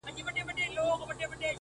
نه پنډت ووهلم. نه راهب فتواء ورکړه خو.